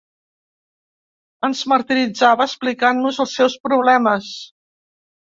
Ens martiritzava explicant-nos els seus problemes.